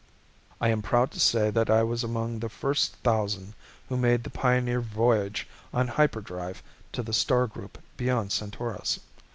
I am proud to say that I was among the first thousand who made the pioneer voyage on hyperdrive to the star group beyond Centaurus.